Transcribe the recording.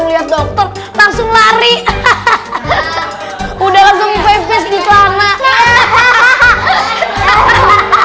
lihat dokter langsung lari hahaha udah langsung ke sana hahaha